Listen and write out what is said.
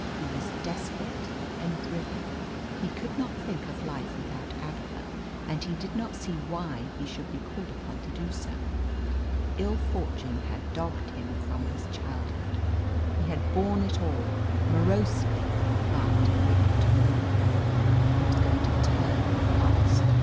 He was desperate and driven. He could not think of life without Agatha, and he did not see why he should be called upon to do so. Ill fortune had dogged him from his childhood. He had borne it all, morosely but without a murmur. He was going to turn at last.